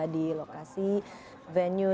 di lokasi venue